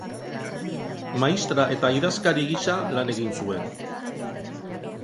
Maistra eta idazkari gisa lan egin zuen.